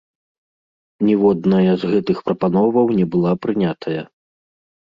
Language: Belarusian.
Ніводная з гэтых прапановаў не была прынятая.